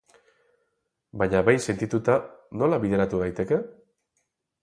Baina behin sentituta, nola bideratu daiteke?